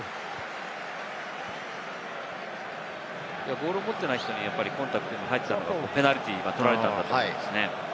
ボールを持っていない人にコンタクトをするのがペナルティーを取られたんだと思います。